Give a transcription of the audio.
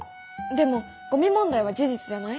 でもゴミ問題は事実じゃない？